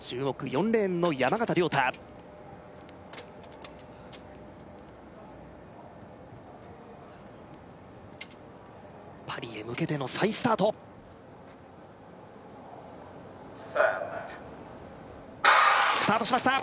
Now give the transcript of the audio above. ４レーンの山縣亮太パリへ向けての再スタートＳｅｔスタートしました